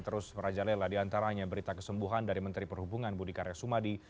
terus merajalela diantaranya berita kesembuhan dari menteri perhubungan budi karya sumadi